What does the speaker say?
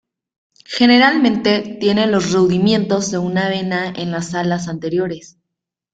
Generalmente tienen los rudimentos de una vena en las alas anteriores.